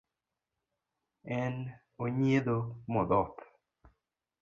En onyiedho modhoth.